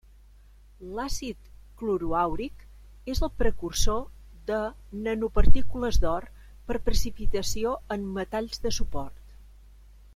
L'àcid cloroàuric és el precursor de nanopartícules d'or per precipitació en metalls de suport.